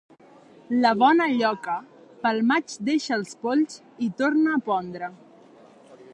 La bona lloca, pel maig deixa els polls i torna a pondre.